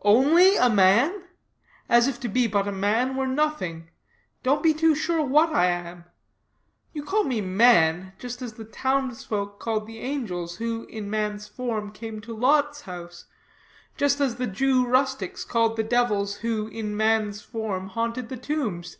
"Only a man? As if to be but a man were nothing. But don't be too sure what I am. You call me man, just as the townsfolk called the angels who, in man's form, came to Lot's house; just as the Jew rustics called the devils who, in man's form, haunted the tombs.